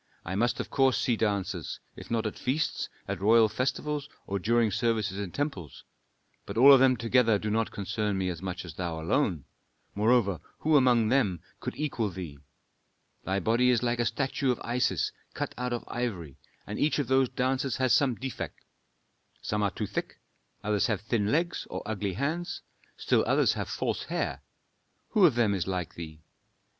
"I must of course see dancers, if not at feasts, at royal festivals, or during services in temples. But all of them together do not concern me as much as thou alone; moreover, who among them could equal thee? Thy body is like a statue of Isis, cut out of ivory, and each of those dancers has some defect. Some are too thick; others have thin legs or ugly hands; still others have false hair. Who of them is like thee?